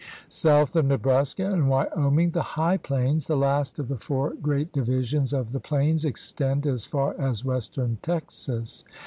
South of Nebraska and Wyoming the "high plains," the last of the four great divisions of the plains, extend as far as western Texas.